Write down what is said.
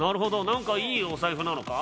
なんかいいお財布なのか？